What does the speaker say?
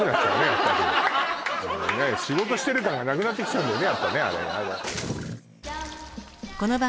やっぱり仕事してる感がなくなってきちゃうのね